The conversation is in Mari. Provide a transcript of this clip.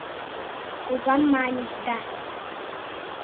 — «Кува» маньыч да...